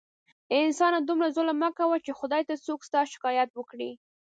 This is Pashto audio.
اې انسانه دومره ظلم مه کوه چې خدای ته څوک ستا شکایت وکړي